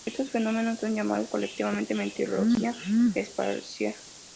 Estos fenómenos son llamados colectivamente meteorología espacial.